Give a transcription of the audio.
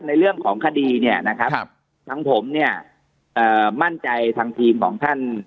ในเรื่องของคดีเนี่ยนะครับทั้งผมเนี่ยเอ่อมั่นใจทางทีมของท่าน